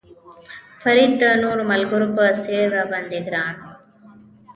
فرید د نورو ملګرو په څېر را باندې ګران و.